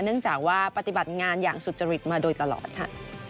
เนื่องจากว่าปฏิบัติงานอย่างสุจริตมาโดยตลอดค่ะ